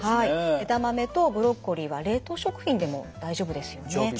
枝豆とブロッコリーは冷凍食品でも大丈夫ですよね。